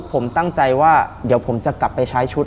ผมตั้งใจว่าเดี๋ยวผมจะกลับไปใช้ชุด